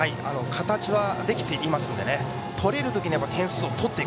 形はできていますので取れるときに点数を取る。